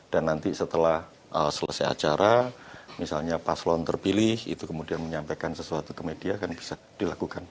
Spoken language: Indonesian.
dan nanti setelah selesai acara misalnya paslon terpilih itu kemudian menyampaikan sesuatu ke media kan bisa dilakukan